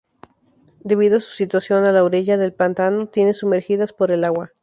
Debido a su situación a la orilla del pantano, tiene sumergidas por el agua.